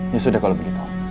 ya sudah kalau begitu